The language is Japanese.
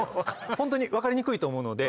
ホントに分かりにくいと思うので。